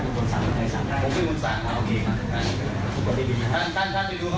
นะครับแต่ผมว่าให้การสอบสวยด้วยตามวิญญาณดีกว่า